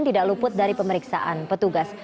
tidak luput dari pemeriksaan petugas